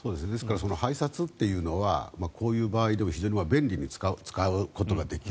拝察というのはこういう場合非常に便利に使うことができる。